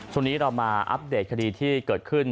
ช่วงนี้เรามาอัปเดตคดีที่เกิดขึ้น